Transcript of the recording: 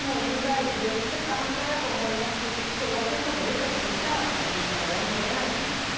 れっきとした犯罪だと思いますし傷害結果も出ているとしたら有罪はやむを得ないと思います。